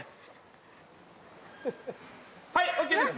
はいＯＫです